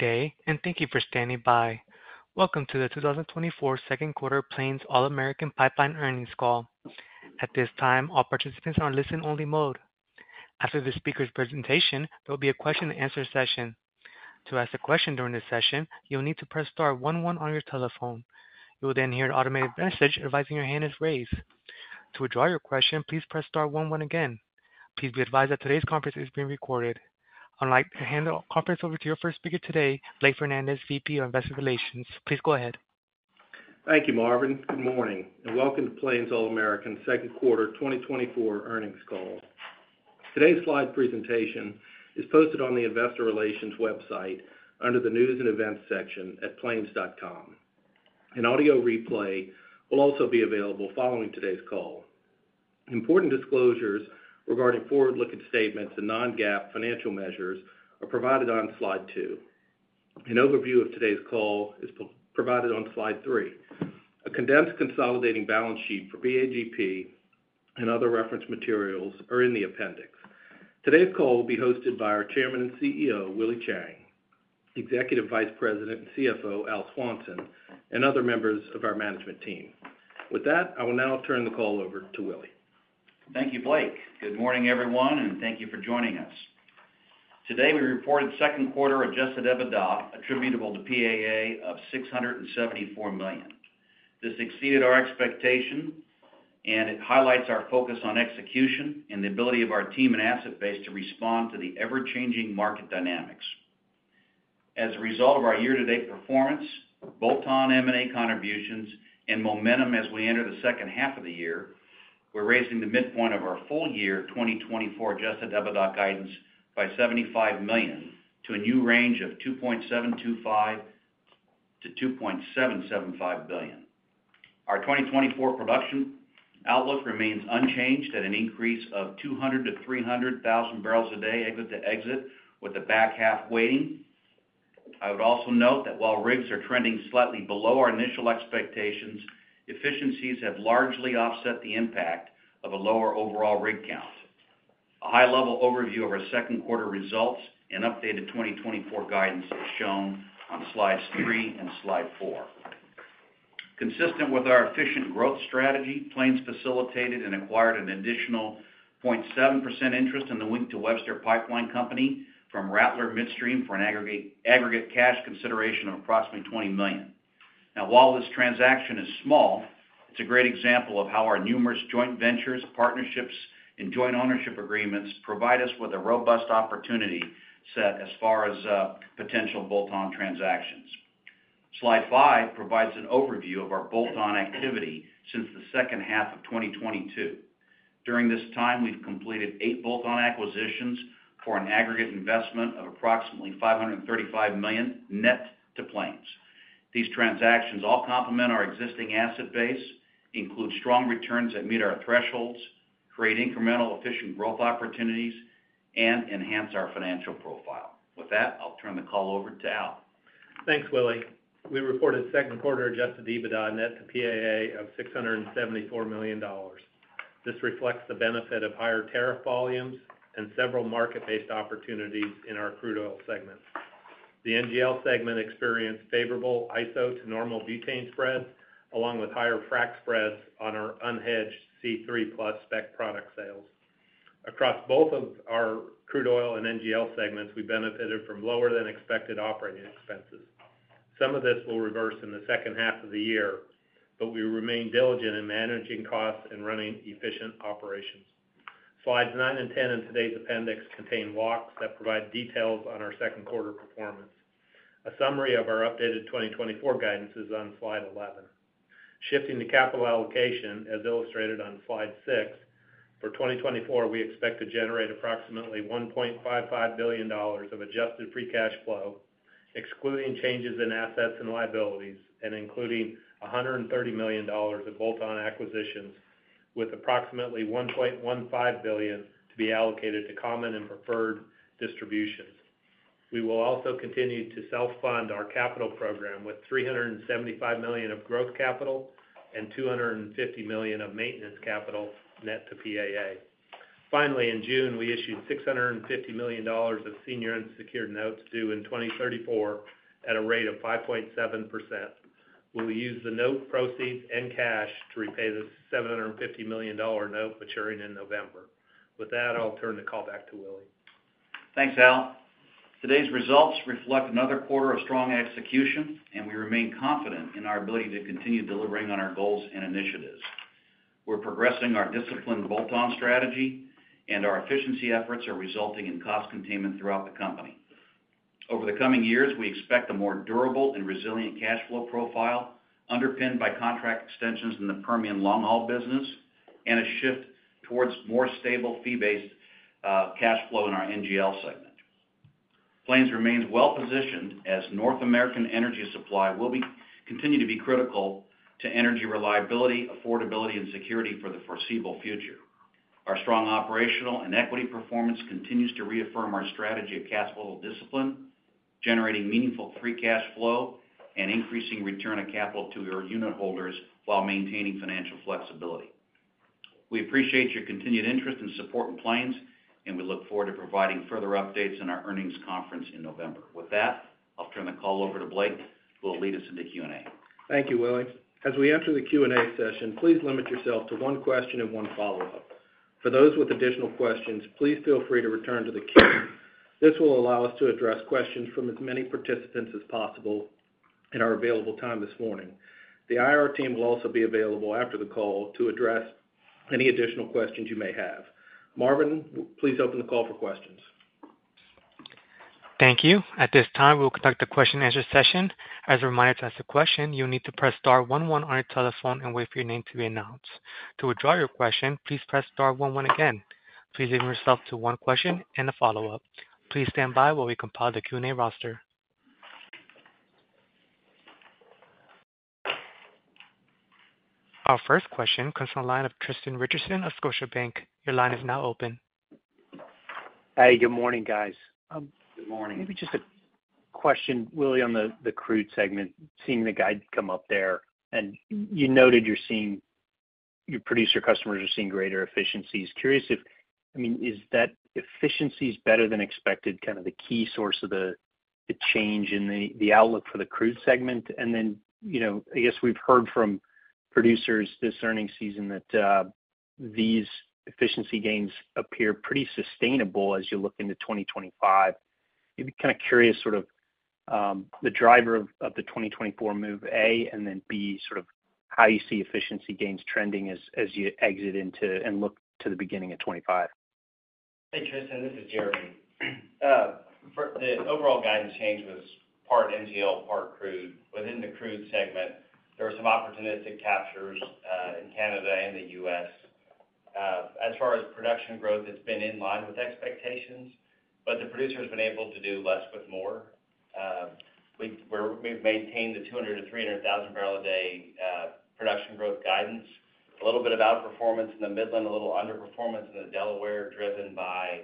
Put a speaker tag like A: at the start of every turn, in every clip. A: Good day, and thank you for standing by. Welcome to the 2024 second quarter Plains All American Pipeline earnings call. At this time, all participants are on listen-only mode. After the speaker's presentation, there will be a question-and-answer session. To ask a question during this session, you'll need to press star one one on your telephone. You will then hear an automated message advising your hand is raised. To withdraw your question, please press star one one again. Please be advised that today's conference is being recorded. I'd like to hand the conference over to your first speaker today, Blake Fernandez, VP of Investor Relations. Please go ahead.
B: Thank you, Marvin. Good morning, and welcome to Plains All American second quarter 2024 earnings call. Today's slide presentation is posted on the investor relations website under the News and Events section at plains.com. An audio replay will also be available following today's call. Important disclosures regarding forward-looking statements and non-GAAP financial measures are provided on Slide 2. An overview of today's call is provided on Slide 3. A condensed consolidating balance sheet for PAGP and other reference materials are in the appendix. Today's call will be hosted by our Chairman and CEO, Willie Chiang, Executive Vice President and CFO, Al Swanson, and other members of our management team. With that, I will now turn the call over to Willie.
C: Thank you, Blake. Good morning, everyone, and thank you for joining us. Today, we reported second quarter Adjusted EBITDA attributable to PAA of $674 million. This exceeded our expectation, and it highlights our focus on execution and the ability of our team and asset base to respond to the ever-changing market dynamics. As a result of our year-to-date performance, bolt-on M&A contributions, and momentum as we enter the second half of the year, we're raising the midpoint of our full-year 2024 Adjusted EBITDA guidance by $75 million to a new range of $2.725 billion-$2.775 billion. Our 2024 production outlook remains unchanged at an increase of 200,000-300,000 barrels a day exit to exit, with the back half weighting. I would also note that while rigs are trending slightly below our initial expectations, efficiencies have largely offset the impact of a lower overall rig count. A high-level overview of our second quarter results and updated 2024 guidance is shown on Slide 3 and Slide 4. Consistent with our efficient growth strategy, Plains facilitated and acquired an additional 0.7% interest in the Wink to Webster Pipeline Company from Rattler Midstream for an aggregate, aggregate cash consideration of approximately $20 million. Now, while this transaction is small, it's a great example of how our numerous joint ventures, partnerships, and joint ownership agreements provide us with a robust opportunity set as far as potential bolt-on transactions. Slide 5 provides an overview of our bolt-on activity since the second half of 2022. During this time, we've completed 8 bolt-on acquisitions for an aggregate investment of approximately $535 million net to Plains. These transactions all complement our existing asset base, include strong returns that meet our thresholds, create incremental efficient growth opportunities, and enhance our financial profile. With that, I'll turn the call over to Al.
D: Thanks, Willie. We reported second quarter adjusted EBITDA net to PAA of $674 million. This reflects the benefit of higher tariff volumes and several market-based opportunities in our crude oil segment. The NGL segment experienced favorable isobutane to normal butane spreads, along with higher frac spreads on our unhedged C3+ spec product sales. Across both of our crude oil and NGL segments, we benefited from lower-than-expected operating expenses. Some of this will reverse in the second half of the year, but we remain diligent in managing costs and running efficient operations. Slides 9 and 10 in today's appendix contain walks that provide details on our second quarter performance. A summary of our updated 2024 guidance is on Slide 11. Shifting to capital allocation, as illustrated on Slide 6, for 2024, we expect to generate approximately $1.55 billion of adjusted free cash flow, excluding changes in assets and liabilities, and including $130 million of bolt-on acquisitions, with approximately $1.15 billion to be allocated to common and preferred distributions. We will also continue to self-fund our capital program with $375 million of growth capital and $250 million of maintenance capital net to PAA. Finally, in June, we issued $650 million of senior unsecured notes due in 2034 at a rate of 5.7%. We will use the note proceeds and cash to repay the $750 million note maturing in November. With that, I'll turn the call back to Willie.
C: Thanks, Al. Today's results reflect another quarter of strong execution, and we remain confident in our ability to continue delivering on our goals and initiatives. We're progressing our disciplined bolt-on strategy, and our efficiency efforts are resulting in cost containment throughout the company. Over the coming years, we expect a more durable and resilient cash flow profile, underpinned by contract extensions in the Permian long-haul business and a shift towards more stable fee-based cash flow in our NGL segment. Plains remains well-positioned as North American energy supply will continue to be critical to energy reliability, affordability, and security for the foreseeable future. Our strong operational and equity performance continues to reaffirm our strategy of capital discipline, generating meaningful free cash flow and increasing return on capital to our unitholders while maintaining financial flexibility. We appreciate your continued interest and support in Plains, and we look forward to providing further updates in our earnings conference in November. With that, I'll turn the call over to Blake, who will lead us into Q&A.
B: Thank you, Willie. As we enter the Q&A session, please limit yourself to one question and one follow-up. For those with additional questions, please feel free to return to the queue. This will allow us to address questions from as many participants as possible in our available time this morning. The IR team will also be available after the call to address any additional questions you may have. Marvin, please open the call for questions.
A: Thank you. At this time, we'll conduct the question-and-answer session. As a reminder, to ask a question, you'll need to press star one one on your telephone and wait for your name to be announced. To withdraw your question, please press star one one again. Please limit yourself to one question and a follow-up. Please stand by while we compile the Q&A roster. Our first question comes from the line of Tristan Richardson of Scotiabank. Your line is now open.
E: Hey, good morning, guys.
C: Good morning.
E: Maybe just a question, Willie, on the crude segment, seeing the guide come up there, and you noted you're seeing your producer customers are seeing greater efficiencies. Curious if, I mean, is that efficiencies better than expected, kind of the key source of the change in the outlook for the crude segment? And then, you know, I guess we've heard from producers this earnings season that these efficiency gains appear pretty sustainable as you look into 2025. Maybe kind of curious, sort of, the driver of the 2024 move, A, and then B, sort of how you see efficiency gains trending as you exit into and look to the beginning of 2025.
F: Hey, Tristan, this is Jeremy. For the overall guidance change was part NGL, part crude. Within the crude segment, there were some opportunistic captures in Canada and the U.S. As far as production growth, it's been in line with expectations, but the producer has been able to do less with more. We've maintained the 200-300 thousand barrel a day production growth guidance, a little bit of outperformance in the Midland, a little underperformance in the Delaware, driven by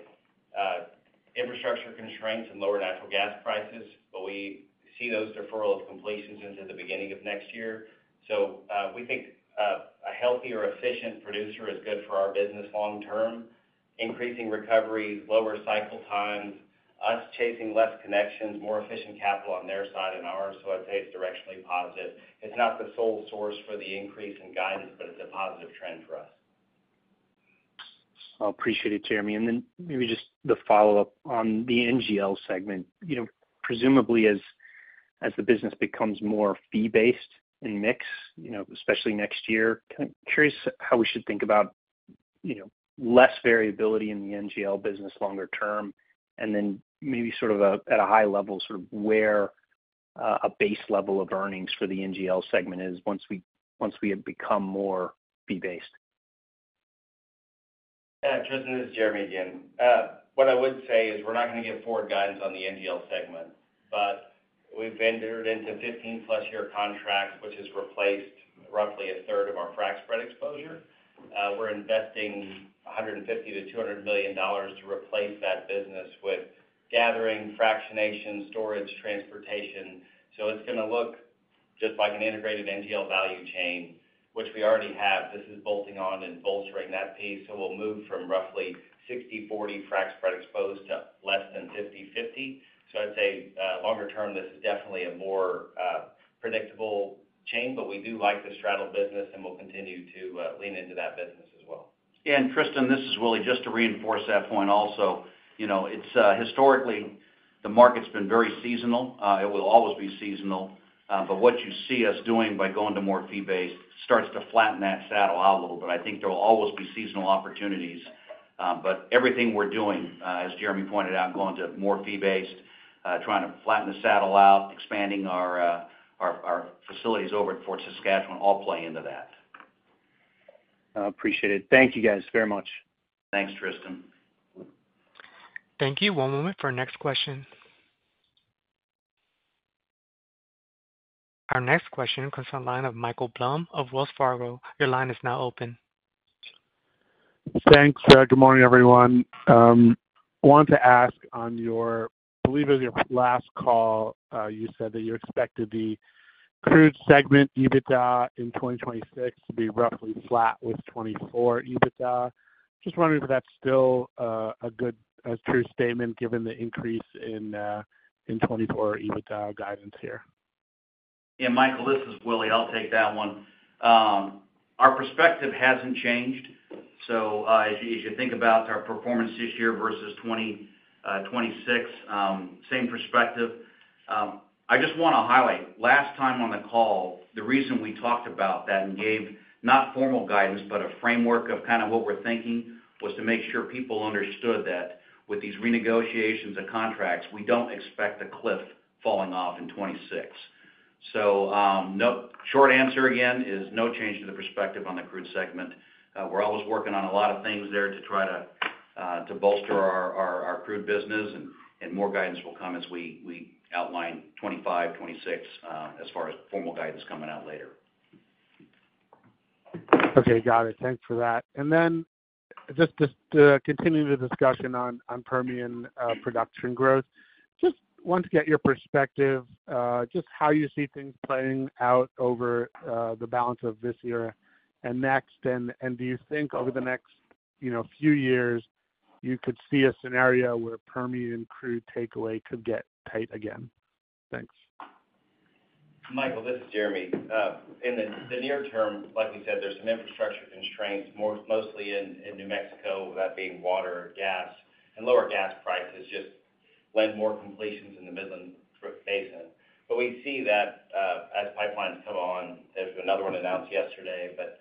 F: infrastructure constraints and lower natural gas prices. But we see those deferral of completions into the beginning of next year. So, we think a healthier, efficient producer is good for our business long term, increasing recoveries, lower cycle times, us chasing less connections, more efficient capital on their side and ours. So I'd say it's directionally positive. It's not the sole source for the increase in guidance, but it's a positive trend for us.
E: I appreciate it, Jeremy. And then maybe just the follow-up on the NGL segment. You know, presumably as the business becomes more fee-based in mix, you know, especially next year, kind of curious how we should think about, you know, less variability in the NGL business longer term, and then maybe sort of a at a high level, sort of where a base level of earnings for the NGL segment is once we have become more fee-based.
F: Yeah, Tristan, this is Jeremy again. What I would say is we're not going to give forward guidance on the NGL segment, but we've entered into 15+ year contracts, which has replaced roughly a third of our frac spread exposure. We're investing $150 million-$200 million to replace that business with gathering, fractionation, storage, transportation. So it's going to look just like an integrated NGL value chain, which we already have. This is bolting on and bolstering that piece. So we'll move from roughly 60/40 frac spread exposed to less than 50/50. So I'd say, longer term, this is definitely a more predictable chain, but we do like the straddle business, and we'll continue to lean into that business as well.
C: Tristan, this is Willie. Just to reinforce that point also, you know, it's historically, the market's been very seasonal. It will always be seasonal, but what you see us doing by going to more fee-based starts to flatten that saddle out a little bit. I think there will always be seasonal opportunities, but everything we're doing, as Jeremy pointed out, going to more fee-based, trying to flatten the saddle out, expanding our facilities over at Fort Saskatchewan, all play into that.
E: Appreciate it. Thank you, guys, very much.
C: Thanks, Tristan.
A: Thank you. One moment for our next question. Our next question comes from the line of Michael Blum of Wells Fargo. Your line is now open.
G: Thanks. Good morning, everyone. I wanted to ask on your—I believe it was your last call, you said that you expected the crude segment EBITDA in 2026 to be roughly flat with 2024 EBITDA. Just wondering if that's still a good, true statement given the increase in 2024 EBITDA guidance here.
C: Yeah, Michael, this is Willie. I'll take that one. Our perspective hasn't changed. So, as you, as you think about our performance this year versus 2026, same perspective. I just want to highlight, last time on the call, the reason we talked about that and gave, not formal guidance, but a framework of kind of what we're thinking, was to make sure people understood that with these renegotiations and contracts, we don't expect a cliff falling off in 2026. So, nope, short answer again, is no change to the perspective on the crude segment. We're always working on a lot of things there to try to bolster our crude business, and more guidance will come as we outline 2025, 2026, as far as formal guidance coming out later.
B: Okay. Got it. Thanks for that. And then-...
H: Just to continue the discussion on Permian production growth. Just wanted to get your perspective, just how you see things playing out over the balance of this year and next. And do you think over the next, you know, few years, you could see a scenario where Permian crude takeaway could get tight again? Thanks.
F: Michael, this is Jeremy. In the near term, like we said, there's some infrastructure constraints, mostly in New Mexico, that being water, gas, and lower gas prices, just lend more completions in the Midland Basin. But we see that, as pipelines come on, there's another one announced yesterday, but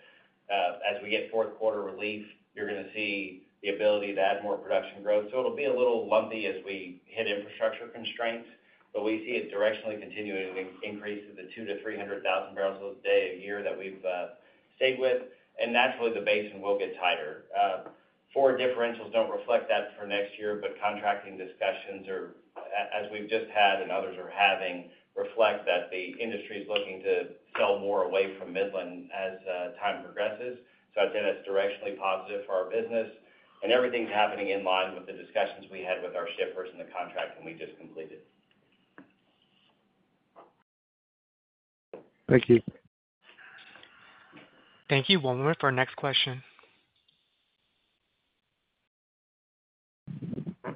F: as we get fourth quarter relief, you're gonna see the ability to add more production growth. So it'll be a little lumpy as we hit infrastructure constraints, but we see it directionally continuing to increase to the 200,000 to 300,000 barrels a day a year that we've stayed with. And naturally, the basin will get tighter. Forward differentials don't reflect that for next year, but contracting discussions are, as we've just had and others are having, reflect that the industry is looking to sell more away from Midland as time progresses. So I think that's directionally positive for our business. And everything's happening in line with the discussions we had with our shippers and the contracting we just completed.
H: Thank you.
A: Thank you. One moment for our next question.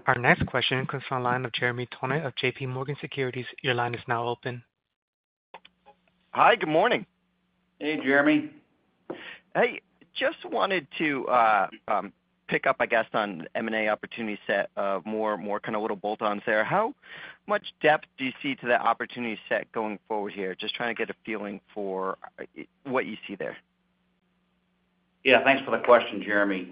A: Our next question comes from the line of Jeremy Tonet of JPMorgan Securities. Your line is now open.
I: Hi, good morning.
C: Hey, Jeremy.
I: Hey, just wanted to pick up, I guess, on M&A opportunity set, more kind of little bolt-ons there. How much depth do you see to that opportunity set going forward here? Just trying to get a feeling for what you see there.
C: Yeah, thanks for the question, Jeremy.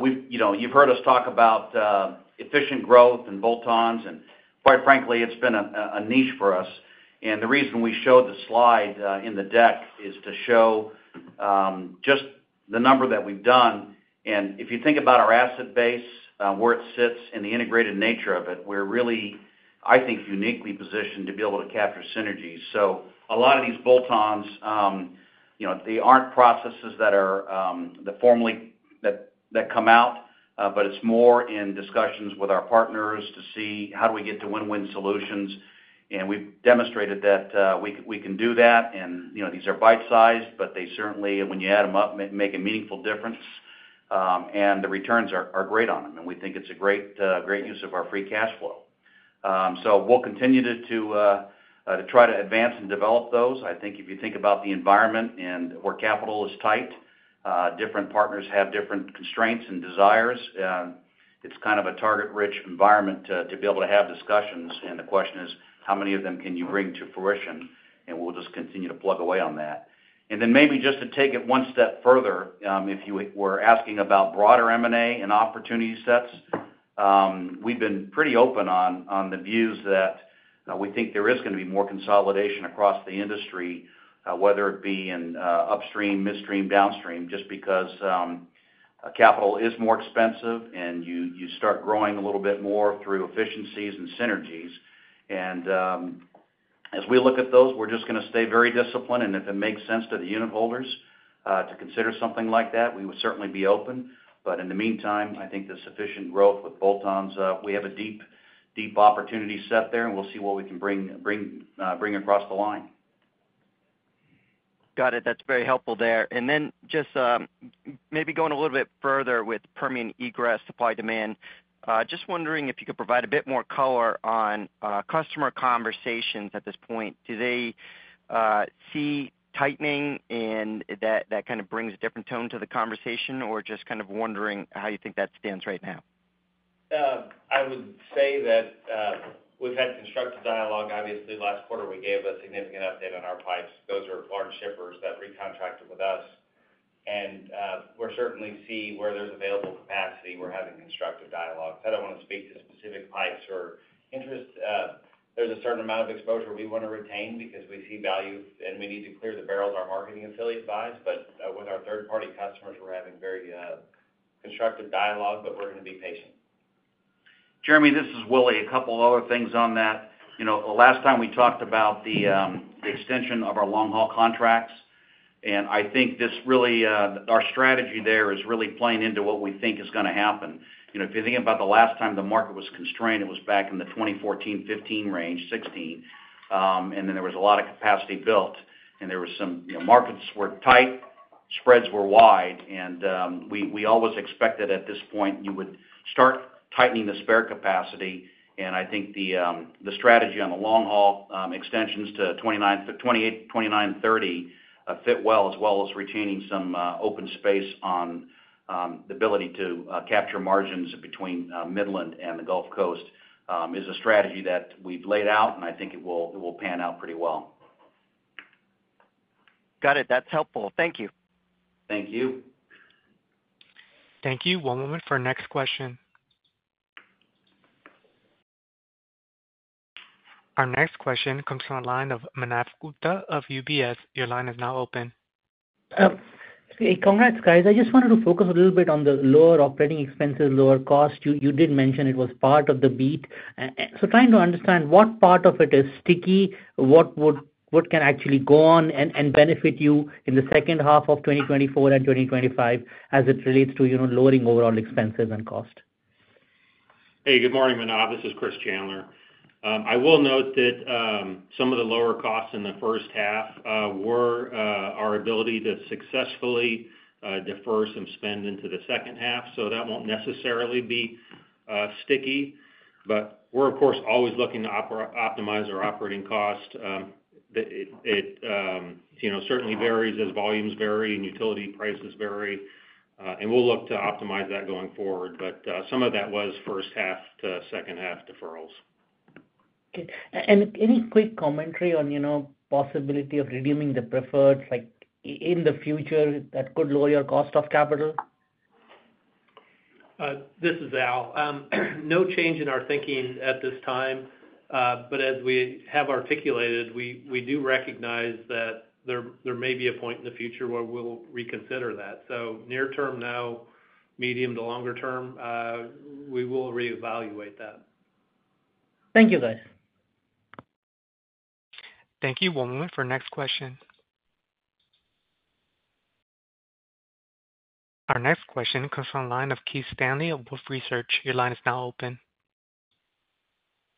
C: We've you know, you've heard us talk about efficient growth and bolt-ons, and quite frankly, it's been a niche for us. And the reason we showed the slide in the deck is to show just the number that we've done. And if you think about our asset base, where it sits and the integrated nature of it, we're really, I think, uniquely positioned to be able to capture synergies. So a lot of these bolt-ons, you know, they aren't processes that are that formally come out, but it's more in discussions with our partners to see how do we get to win-win solutions. We've demonstrated that we can do that, and you know, these are bite-sized, but they certainly, when you add them up, make a meaningful difference, and the returns are great on them, and we think it's a great use of our free cash flow. So we'll continue to try to advance and develop those. I think if you think about the environment and where capital is tight, different partners have different constraints and desires, it's kind of a target-rich environment to be able to have discussions. The question is: How many of them can you bring to fruition? We'll just continue to plug away on that. Then maybe just to take it one step further, if you were asking about broader M&A and opportunity sets, we've been pretty open on the views that we think there is gonna be more consolidation across the industry, whether it be in upstream, midstream, downstream, just because capital is more expensive, and you start growing a little bit more through efficiencies and synergies. As we look at those, we're just gonna stay very disciplined, and if it makes sense to the unit holders to consider something like that, we would certainly be open. But in the meantime, I think the sufficient growth with bolt-ons, we have a deep, deep opportunity set there, and we'll see what we can bring across the line.
I: Got it. That's very helpful there. And then just, maybe going a little bit further with Permian egress, supply, demand. Just wondering if you could provide a bit more color on, customer conversations at this point. Do they, see tightening, and that, that kind of brings a different tone to the conversation? Or just kind of wondering how you think that stands right now.
F: I would say that, we've had constructive dialogue. Obviously, last quarter, we gave a significant update on our pipes. Those are large shippers that recontracted with us. We're certainly see where there's available capacity, we're having constructive dialogue. I don't want to speak to specific pipes or interest. There's a certain amount of exposure we want to retain because we see value, and we need to clear the barrels our marketing affiliates buys. But, with our third-party customers, we're having very, constructive dialogue, but we're gonna be patient.
C: Jeremy, this is Willie. A couple of other things on that. You know, the last time we talked about the extension of our long-haul contracts, and I think this really our strategy there is really playing into what we think is gonna happen. You know, if you think about the last time the market was constrained, it was back in the 2014, 2015 range, 2016. And then there was a lot of capacity built, and there was some, you know, markets were tight, spreads were wide, and we always expected at this point you would start tightening the spare capacity. I think the strategy on the long haul extensions to 29, 28, 29, 30 fit well, as well as retaining some open space on the ability to capture margins between Midland and the Gulf Coast, is a strategy that we've laid out, and I think it will pan out pretty well.
I: Got it. That's helpful. Thank you.
C: Thank you.
A: Thank you. One moment for our next question. Our next question comes from the line of Manav Gupta of UBS. Your line is now open.
H: Hey, congrats, guys. I just wanted to focus a little bit on the lower operating expenses, lower cost. You, you did mention it was part of the beat. So trying to understand what part of it is sticky, what would-- what can actually go on and, and benefit you in the second half of 2024 and 2025 as it relates to, you know, lowering overall expenses and cost?
J: Hey, good morning, Manav. This is Chris Chandler. I will note that some of the lower costs in the first half were our ability to successfully defer some spend into the second half, so that won't necessarily be sticky. But we're, of course, always looking to optimize our operating cost. It, you know, certainly varies as volumes vary and utility prices vary, and we'll look to optimize that going forward. But some of that was first half to second half deferrals.
H: Okay. And any quick commentary on, you know, possibility of redeeming the preferred, like, in the future that could lower your cost of capital?
D: This is Al. No change in our thinking at this time. But as we have articulated, we do recognize that there may be a point in the future where we'll reconsider that. So near term, no. Medium to longer term, we will reevaluate that.
H: Thank you, guys.
A: Thank you. One moment for next question. Our next question comes from the line of Keith Stanley of Wolfe Research. Your line is now open.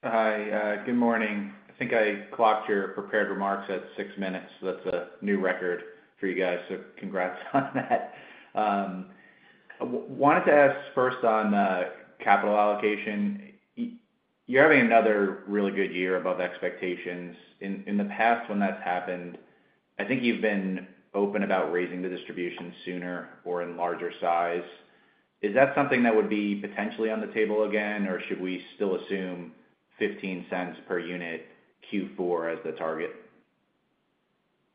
K: Hi, good morning. I think I clocked your prepared remarks at 6 minutes. That's a new record for you guys, so congrats on that. Wanted to ask first on capital allocation. You're having another really good year above expectations. In the past, when that's happened, I think you've been open about raising the distribution sooner or in larger size. Is that something that would be potentially on the table again, or should we still assume $0.15 per unit Q4 as the target?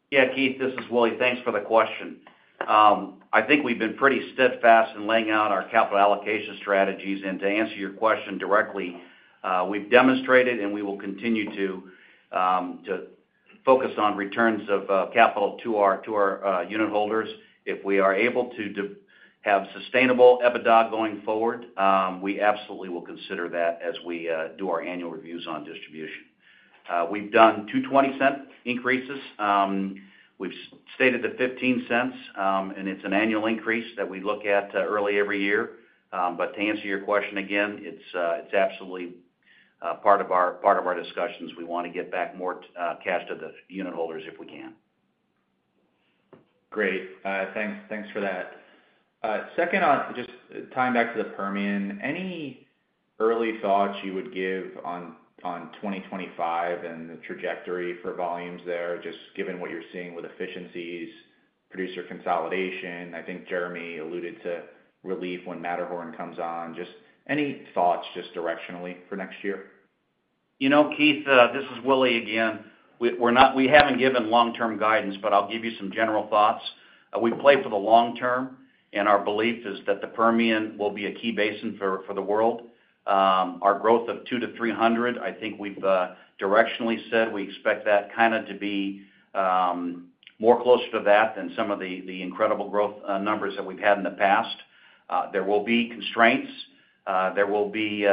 C: Yeah, Keith, this is Willie. Thanks for the question. I think we've been pretty steadfast in laying out our capital allocation strategies. To answer your question directly, we've demonstrated, and we will continue to focus on returns of capital to our unit holders. If we are able to have sustainable EBITDA going forward, we absolutely will consider that as we do our annual reviews on distribution. We've done 2 20-cent increases. We've stated the 15 cents, and it's an annual increase that we look at early every year. To answer your question again, it's absolutely part of our discussions. We want to get back more cash to the unit holders if we can.
K: Great. Thanks, thanks for that. Second on, just tying back to the Permian. Any early thoughts you would give on 2025 and the trajectory for volumes there, just given what you're seeing with efficiencies, producer consolidation? I think Jeremy alluded to relief when Matterhorn comes on. Just any thoughts, just directionally for next year?
C: You know, Keith, this is Willie again. We're not-- we haven't given long-term guidance, but I'll give you some general thoughts. We play for the long term, and our belief is that the Permian will be a key basin for the world. Our growth of 200-300, I think we've directionally said we expect that kind of to be more closer to that than some of the incredible growth numbers that we've had in the past. There will be constraints. There will be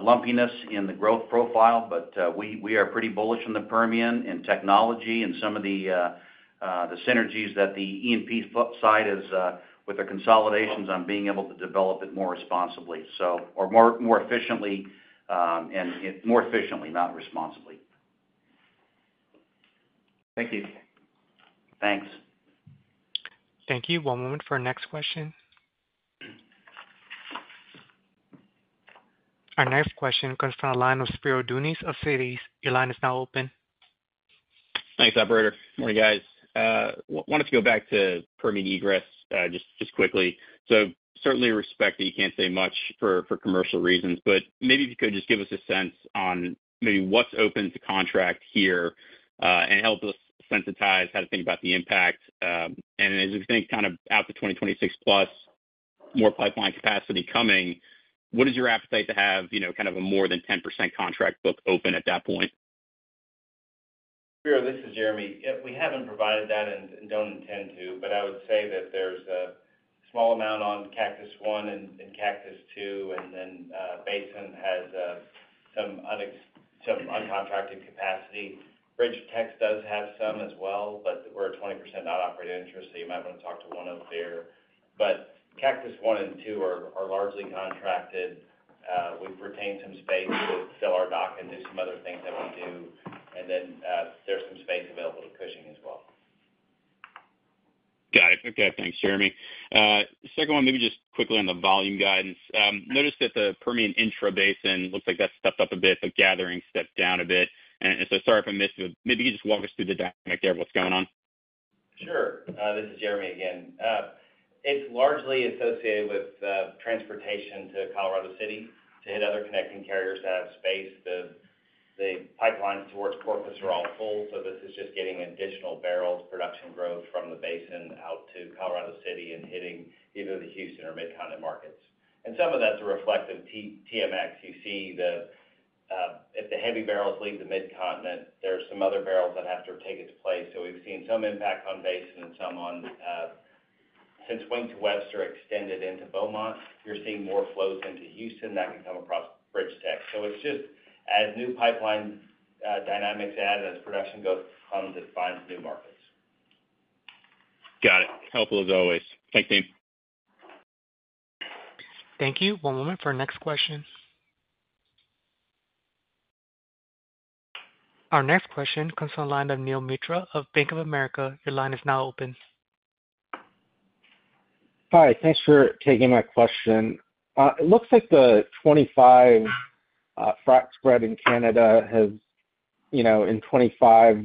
C: lumpiness in the growth profile, but we are pretty bullish on the Permian and technology and some of the synergies that the E&P side is with the consolidations on being able to develop it more responsibly. So or more efficiently, and it... More efficiently, not responsibly.
K: Thank you.
C: Thanks.
A: Thank you. One moment for next question. Our next question comes from the line of Spiro Dounis of Citi. Your line is now open.
L: Thanks, operator. Morning, guys. Wanted to go back to Permian egress, just quickly. So certainly respect that you can't say much for commercial reasons, but maybe if you could just give us a sense on maybe what's open to contract here, and help us sensitize how to think about the impact. And as we think kind of out to 2026 plus, more pipeline capacity coming, what is your appetite to have, you know, kind of a more than 10% contract book open at that point?
F: Spiro, this is Jeremy. We haven't provided that and don't intend to, but I would say that there's a small amount on Cactus One and Cactus Two, and then Basin has some uncontracted capacity. BridgeTex does have some as well, but we're a 20% non-operating interest, so you might want to talk to one of them there. But Cactus One and Two are largely contracted. We've retained some space to fill our dock and do some other things that we do. And then there's some space available to Cushing as well.
L: Got it. Okay, thanks, Jeremy. Second one, maybe just quickly on the volume guidance. Noticed that the Permian Intra-Basin looks like that stepped up a bit, but gathering stepped down a bit. And so sorry if I missed it, maybe you could just walk us through the dynamic there of what's going on.
F: Sure. This is Jeremy again. It's largely associated with transportation to Colorado City to hit other connecting carriers that have space. The pipelines towards Corpus are all full, so this is just getting additional barrels, production growth from the basin out to Colorado City and hitting either the Houston or Mid-Continent markets. And some of that's a reflection of TMX. You see the, if the heavy barrels leave the Mid-Continent, there are some other barrels that have to take its place. So we've seen some impact on basin and some on, since Wink to Webster extended into Beaumont, you're seeing more flows into Houston that can come across BridgeTex. So it's just as new pipeline dynamics add, as production goes, it finds new markets....
L: Got it. Helpful as always. Thanks, team.
A: Thank you. One moment for our next question. Our next question comes from the line of Neel Mitra of Bank of America. Your line is now open.
M: Hi, thanks for taking my question. It looks like the 2025 frac spread in Canada has, you know, in 2025,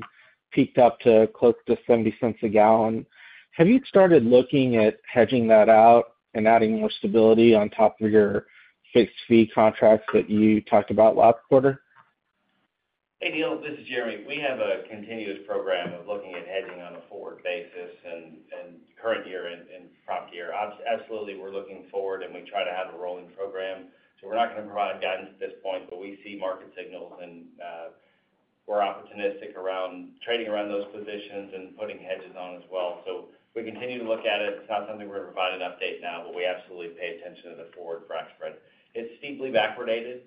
M: peaked up to close to $0.70 a gallon. Have you started looking at hedging that out and adding more stability on top of your fixed fee contracts that you talked about last quarter?
F: Hey, Neel, this is Jeremy. We have a continuous program of looking at hedging on a forward basis and current year and next year. Absolutely, we're looking forward, and we try to have a rolling program. So we're not going to provide guidance at this point, but we see market signals, and we're opportunistic around trading around those positions and putting hedges on as well. So we continue to look at it. It's not something we're going to provide an update now, but we absolutely pay attention to the forward frac spread. It's steeply backwardated,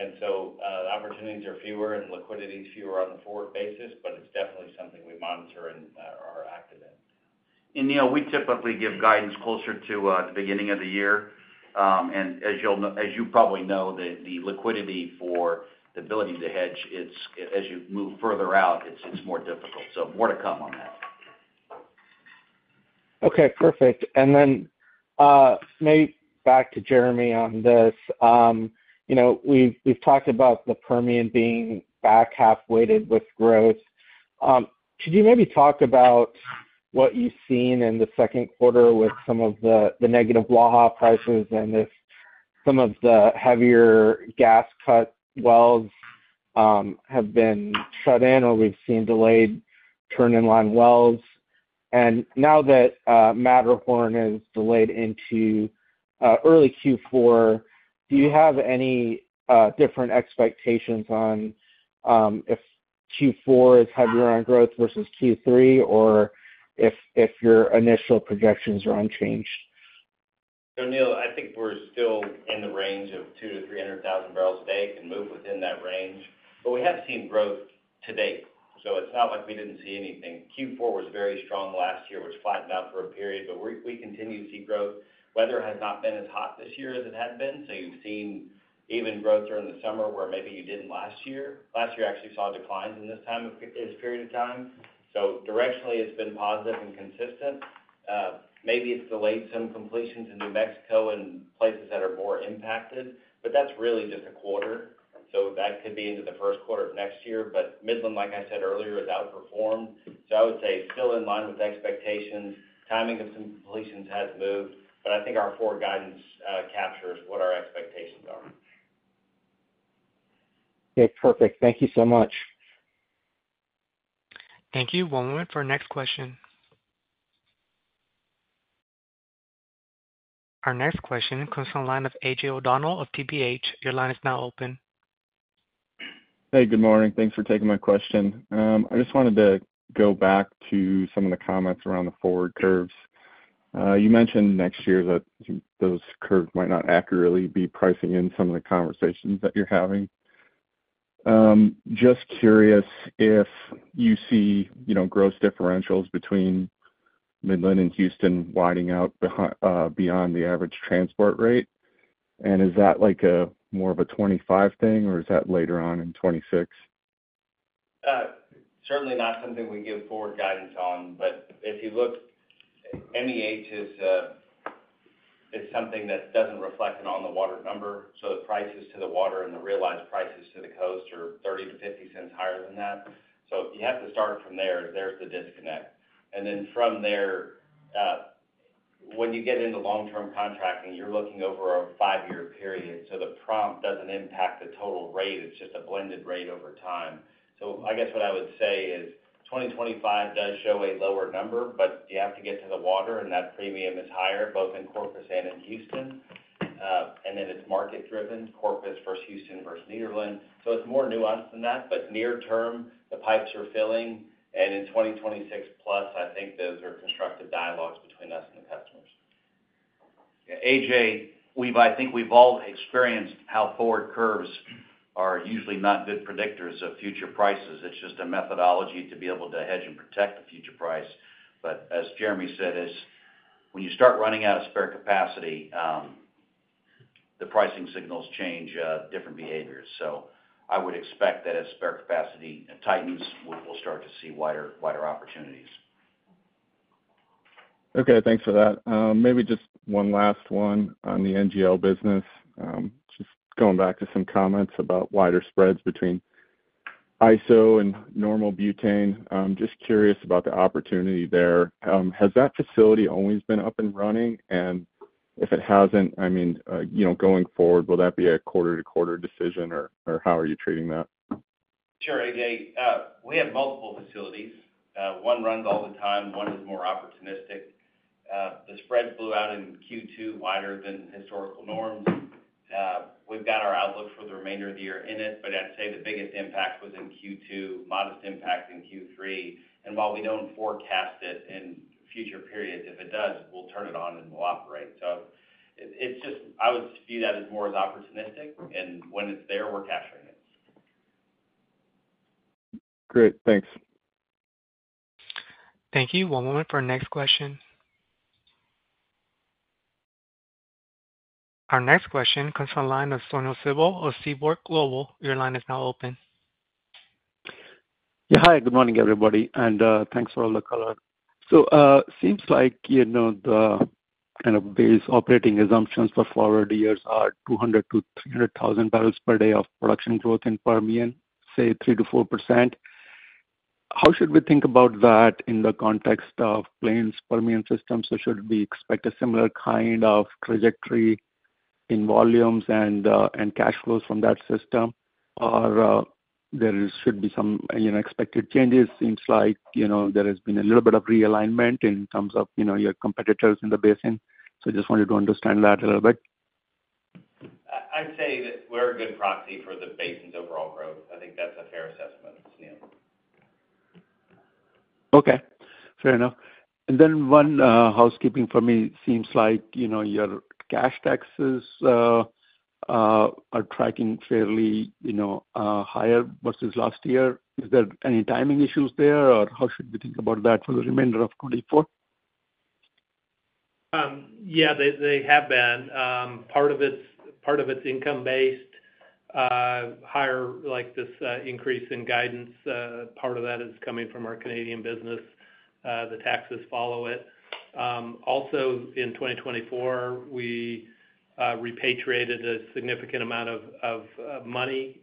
F: and so the opportunities are fewer and liquidity is fewer on the forward basis, but it's definitely something we monitor and are active in.
C: Neel, we typically give guidance closer to the beginning of the year. As you probably know, the liquidity for the ability to hedge, it's more difficult as you move further out. More to come on that.
M: Okay, perfect. And then, maybe back to Jeremy on this. You know, we've talked about the Permian being back half weighted with growth. Could you maybe talk about what you've seen in the second quarter with some of the negative Waha prices and if some of the heavier gas cut wells have been shut in, or we've seen delayed turn in line wells? And now that Matterhorn is delayed into early Q4, do you have any different expectations on if Q4 is heavier on growth versus Q3, or if your initial projections are unchanged?
F: So Neel, I think we're still in the range of 200,000-300,000 barrels a day, can move within that range, but we have seen growth to date, so it's not like we didn't see anything. Q4 was very strong last year, which flattened out for a period, but we continue to see growth. Weather has not been as hot this year as it had been, so you've seen even growth during the summer, where maybe you didn't last year. Last year actually saw declines in this time of this period of time. So directionally, it's been positive and consistent. Maybe it's delayed some completions in New Mexico and places that are more impacted, but that's really just a quarter. So that could be into the first quarter of next year. But Midland, like I said earlier, has outperformed. I would say still in line with expectations. Timing of some completions has moved, but I think our forward guidance captures what our expectations are.
M: Okay, perfect. Thank you so much.
A: Thank you. One moment for our next question. Our next question comes from the line of AJ O'Donnell of TPH. Your line is now open.
N: Hey, good morning. Thanks for taking my question. I just wanted to go back to some of the comments around the forward curves. You mentioned next year that those curves might not accurately be pricing in some of the conversations that you're having. Just curious if you see, you know, gross differentials between Midland and Houston widening out beyond the average transport rate. And is that like a more of a 2025 thing, or is that later on in 2026?
F: Certainly not something we give forward guidance on. But if you look, MEH is something that doesn't reflect an on-the-water number, so the prices to the water and the realized prices to the coast are $0.30-$0.50 higher than that. So you have to start from there. There's the disconnect. And then from there, when you get into long-term contracting, you're looking over a 5-year period, so the prompt doesn't impact the total rate. It's just a blended rate over time. So I guess what I would say is 2025 does show a lower number, but you have to get to the water, and that premium is higher, both in Corpus and in Houston. And then it's market driven, Corpus versus Houston versus Nederland. So it's more nuanced than that. Near term, the pipes are filling, and in 2026 plus, I think those are constructive dialogues between us and the customers.
C: Yeah, AJ, I think we've all experienced how forward curves are usually not good predictors of future prices. It's just a methodology to be able to hedge and protect the future price. But as Jeremy said, as when you start running out of spare capacity, the pricing signals change, different behaviors. So I would expect that as spare capacity tightens, we'll start to see wider opportunities.
N: Okay, thanks for that. Maybe just one last one on the NGL business. Just going back to some comments about wider spreads between ISO and normal butane. I'm just curious about the opportunity there. Has that facility always been up and running? And if it hasn't, I mean, you know, going forward, will that be a quarter-to-quarter decision, or, or how are you treating that?
F: Sure, AJ. We have multiple facilities. One runs all the time, one is more opportunistic. The spreads blew out in Q2 wider than historical norms. We've got our outlook for the remainder of the year in it, but I'd say the biggest impact was in Q2, modest impact in Q3. While we don't forecast it in future periods, if it does, we'll turn it on, and we'll operate. So it's just. I would view that as more as opportunistic, and when it's there, we're capturing it....
D: Great, thanks.
A: Thank you. One moment for our next question. Our next question comes from the line of Sunil Sibal of Seaport Global. Your line is now open.
O: Yeah. Hi, good morning, everybody, and thanks for all the color. So, seems like, you know, the kind of base operating assumptions for forward years are 200,000-300,000 barrels per day of production growth in Permian, say 3%-4%. How should we think about that in the context of Plains Permian system? So should we expect a similar kind of trajectory in volumes and cash flows from that system? Or, there should be some, you know, expected changes. Seems like, you know, there has been a little bit of realignment in terms of, you know, your competitors in the basin. So just wanted to understand that a little bit.
F: I'd say that we're a good proxy for the basin's overall growth. I think that's a fair assessment, Sunil.
O: Okay, fair enough. And then one housekeeping for me. Seems like, you know, your cash taxes are tracking fairly, you know, higher versus last year. Is there any timing issues there, or how should we think about that for the remainder of 2024?
D: Yeah, they have been. Part of it's, part of it's income based higher, like this increase in guidance, part of that is coming from our Canadian business. The taxes follow it. Also in 2024, we repatriated a significant amount of money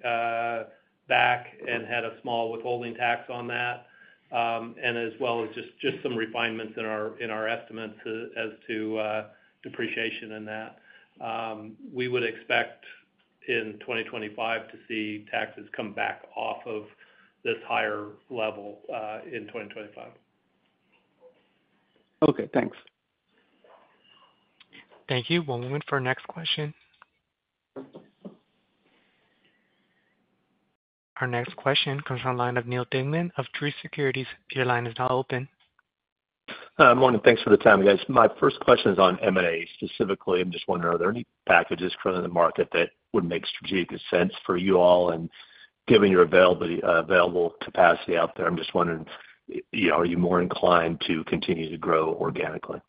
D: back and had a small withholding tax on that. And as well as just some refinements in our estimates as to depreciation in that. We would expect in 2025 to see taxes come back off of this higher level in 2025.
O: Okay, thanks.
A: Thank you. One moment for our next question. Our next question comes from the line of Neal Dingmann of Truist Securities. Your line is now open.
P: Morning. Thanks for the time, guys. My first question is on M&A. Specifically, I'm just wondering, are there any packages currently in the market that would make strategic sense for you all? And given your available capacity out there, I'm just wondering, you know, are you more inclined to continue to grow organically?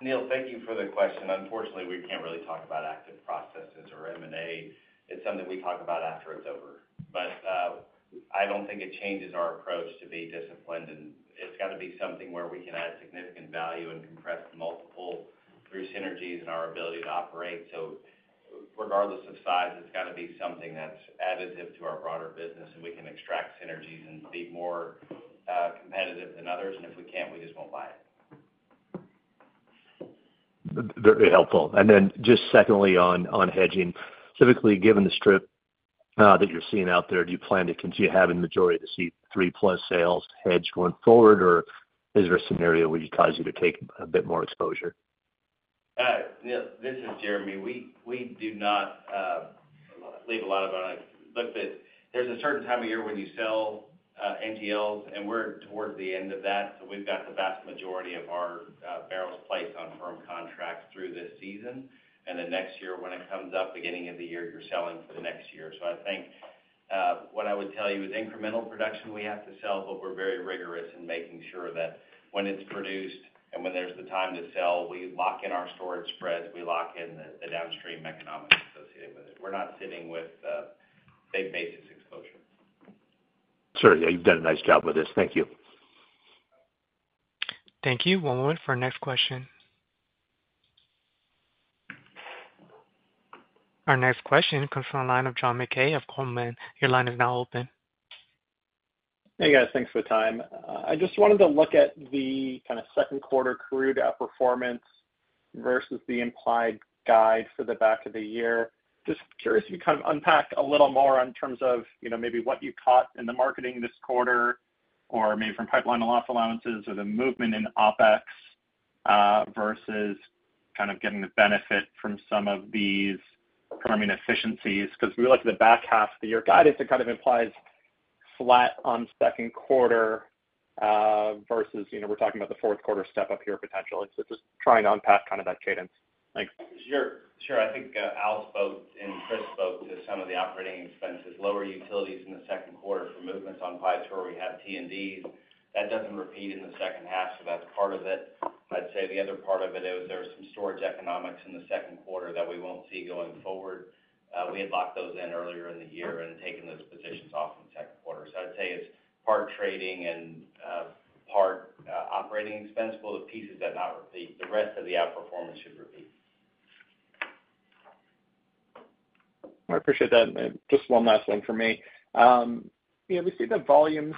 F: Neel, thank you for the question. Unfortunately, we can't really talk about active processes or M&A. It's something we talk about after it's over. But, I don't think it changes our approach to be disciplined, and it's got to be something where we can add significant value and compress the multiple through synergies and our ability to operate. So regardless of size, it's got to be something that's additive to our broader business, and we can extract synergies and be more competitive than others. And if we can't, we just won't buy it.
P: Very helpful. And then just secondly on hedging. Typically, given the strip that you're seeing out there, do you plan to continue having the majority of the C3+ sales hedge going forward, or is there a scenario which causes you to take a bit more exposure?
F: Neel, this is Jeremy. We, we do not leave a lot of it on it. Look, there's a certain time of year when you sell NGLs, and we're towards the end of that. So we've got the vast majority of our barrels placed on firm contracts through this season. And then next year, when it comes up, beginning of the year, you're selling for the next year. So I think what I would tell you is incremental production, we have to sell, but we're very rigorous in making sure that when it's produced and when there's the time to sell, we lock in our storage spreads, we lock in the downstream economics associated with it. We're not sitting with big basis exposure.
P: Sure. Yeah, you've done a nice job with this. Thank you.
A: Thank you. One moment for our next question. Our next question comes from the line of John Mackay of Goldman. Your line is now open.
Q: Hey, guys. Thanks for the time. I just wanted to look at the kind of second quarter crude outperformance versus the implied guide for the back half of the year. Just curious if you kind of unpack a little more in terms of, you know, maybe what you caught in the marketing this quarter, or maybe from pipeline loss allowances, or the movement in OpEx, versus kind of getting the benefit from some of these Permian efficiencies. Because we look at the back half of the year guidance, it kind of implies flat on second quarter, versus, you know, we're talking about the fourth quarter step up here potentially. So just trying to unpack kind of that cadence. Thanks.
F: Sure. Sure. I think, Al spoke and Chris spoke to some of the operating expenses, lower utilities in the second quarter for movements on pipe two or power. We had T&D, that doesn't repeat in the second half, so that's part of it. I'd say the other part of it is there are some storage economics in the second quarter that we won't see going forward. We had locked those in earlier in the year and taken those positions off in the second quarter. So I'd say it's part trading and, part, operating expense, both pieces that not repeat. The rest of the outperformance should repeat.
Q: I appreciate that. Just one last one for me. Yeah, we see the volumes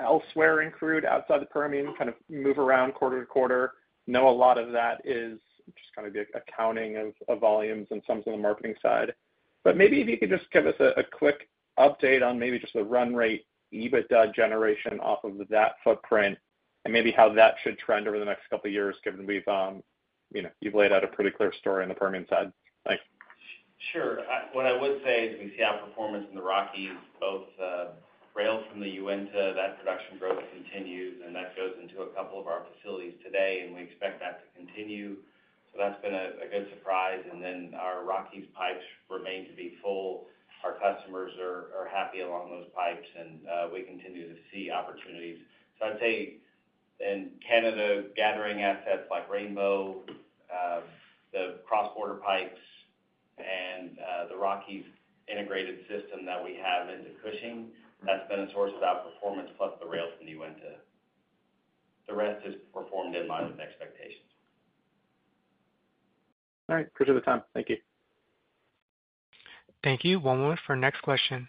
Q: elsewhere in crude, outside the Permian, kind of move around quarter to quarter. You know a lot of that is just kind of the accounting of, of volumes and some of the marketing side. But maybe if you could just give us a, a quick update on maybe just the run rate, EBITDA generation off of that footprint and maybe how that should trend over the next couple of years, given we've, you know, you've laid out a pretty clear story on the Permian side. Thanks.
F: Sure. What I would say is we see outperformance in the Rockies, both from the Uinta, that production growth continues, and that goes into a couple of our facilities today, and we expect that to continue. So that's been a good surprise. And then our Rockies pipes remain to be full. Our customers are happy along those pipes, and we continue to see opportunities. So I'd say in Canada, gathering assets like Rainbow, the cross-border pipes and the Rockies integrated system that we have into Cushing, that's been a source of outperformance, plus the rail from the Uinta. The rest has performed in line with expectations.
A: All right, appreciate the time. Thank you. Thank you. One moment for next question.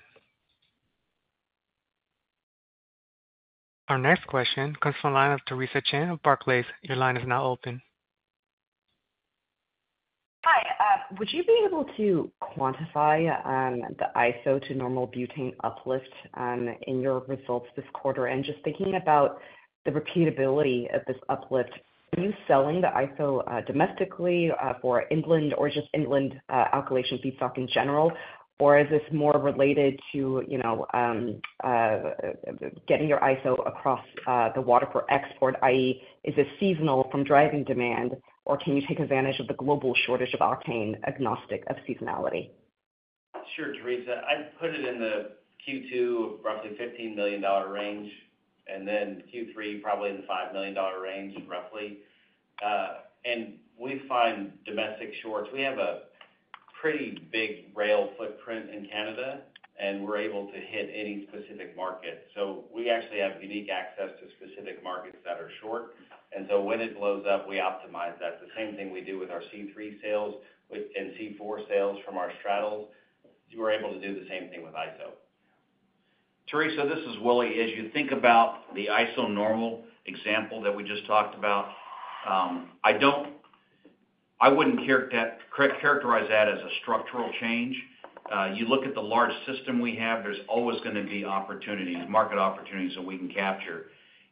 A: Our next question comes from the line of Theresa Chen of Barclays. Your line is now open.
R: Hi, would you be able to quantify the iso to normal butane uplift in your results this quarter? And just thinking about the repeatability of this uplift, are you selling the iso domestically for inland or just inland alkylation feedstock in general? Or is this more related to, you know, getting your iso across the water for export, i.e., is this seasonal from driving demand, or can you take advantage of the global shortage of octane, agnostic of seasonality?
F: Sure, Theresa. I'd put it in the Q2, roughly $15 million range, and then Q3, probably in the $5 million range, roughly. And we find domestic shorts. We have a pretty big rail footprint in Canada, and we're able to hit any specific market. So we actually have unique access to specific markets that are short, and so when it blows up, we optimize that. The same thing we do with our C3 sales with-- and C4 sales from our straddles, we're able to do the same thing with iso.
C: Theresa, this is Willie. As you think about the iso normal example that we just talked about, I wouldn't characterize that as a structural change. You look at the large system we have, there's always gonna be opportunities, market opportunities that we can capture.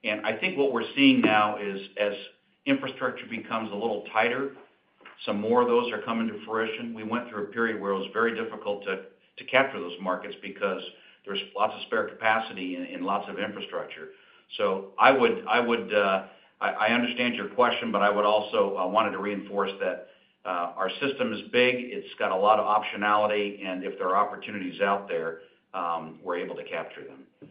C: And I think what we're seeing now is, as infrastructure becomes a little tighter, some more of those are coming to fruition. We went through a period where it was very difficult to capture those markets because there's lots of spare capacity and lots of infrastructure. So I would understand your question, but I would also—I wanted to reinforce that our system is big, it's got a lot of optionality, and if there are opportunities out there, we're able to capture them.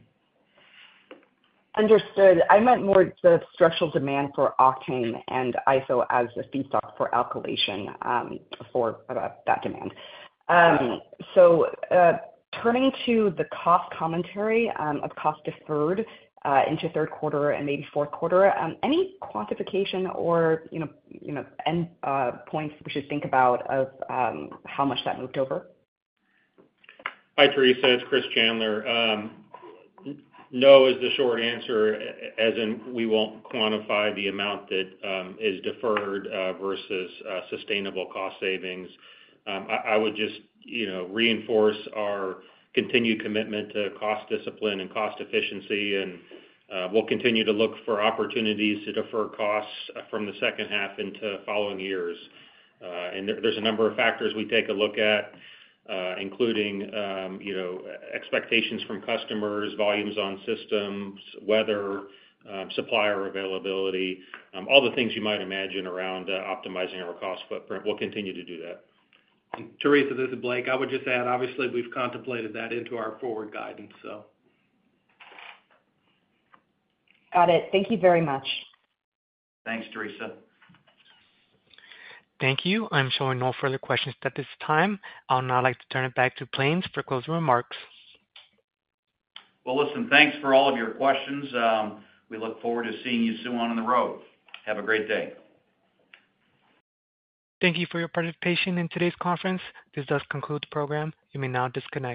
R: Understood. I meant more the structural demand for octane and iso as a feedstock for alkylation, that demand. So, turning to the cost commentary of cost deferred into third quarter and maybe fourth quarter, any quantification or, you know, you know, end points we should think about of how much that moved over?
J: Hi, Theresa, it's Chris Chandler. No is the short answer, as in we won't quantify the amount that is deferred versus sustainable cost savings. I would just, you know, reinforce our continued commitment to cost discipline and cost efficiency, and we'll continue to look for opportunities to defer costs from the second half into following years. And there's a number of factors we take a look at, including, you know, expectations from customers, volumes on systems, weather, supplier availability, all the things you might imagine around optimizing our cost footprint. We'll continue to do that.
F: Theresa, this is Blake. I would just add, obviously, we've contemplated that into our forward guidance, so.
R: Got it. Thank you very much.
C: Thanks, Theresa.
A: Thank you. I'm showing no further questions at this time. I'll now like to turn it back to Plains for closing remarks.
C: Well, listen, thanks for all of your questions. We look forward to seeing you soon on the road. Have a great day.
A: Thank you for your participation in today's conference. This does conclude the program. You may now disconnect.